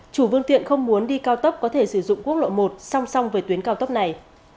chủ phương tiện không muốn đi cao tốc có thể sử dụng quốc lộ một song song với tuyến cao tốc này